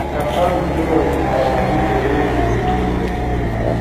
د افغان زړه د ازادۍ په اور تود دی.